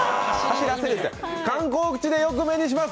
観光地でよく目にします。